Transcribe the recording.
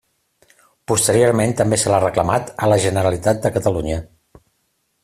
Posteriorment també se l'ha reclamat a la Generalitat de Catalunya.